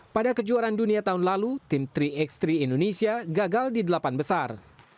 pada kejuaraan dunia tahun lalu tim tiga x tiga indonesia gagal di delapan besar